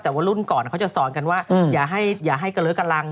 แต่ว่ารุ่นก่อนเขาจะสอนกันว่าอย่าให้เกลอกำลัง